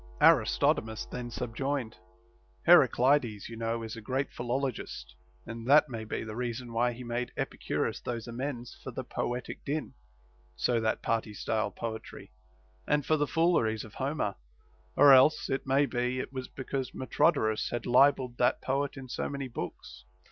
Aristodemus then subjoined : Heraclides, you know, is a great philologist ; and that may be the reason why he made Epicurus those amends for the poetic din (so that party style poetry) and for the fooleries of Homer ; or else, it may be, it was be cause Metrodorus had libelled that poet in so many books.